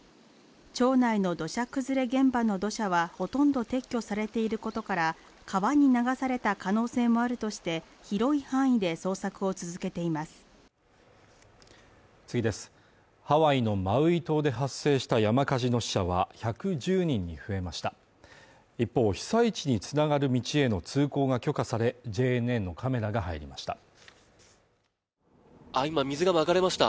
町内の土砂崩れ現場の土砂はほとんど撤去されていることから川に流された可能性もあるとして広い範囲で捜索を続けていますハワイのマウイ島で発生した山火事の死者は１１０人に増えました一方、被災地につながる道への通行が許可されＪＮＮのカメラが入りました今、水がまかれました